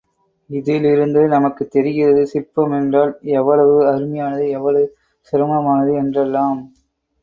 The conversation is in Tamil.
இதிலிருந்து நமக்குத் தெரிகிறது சிற்பம் என்றால் எவ்வளவு அருமையானது, எவ்வளவு சிரமமானது என்றெல்லாம்.